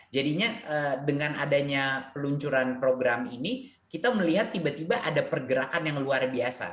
jadinya dengan adanya peluncuran program ini kita melihat tiba tiba ada pergerakan yang luar biasa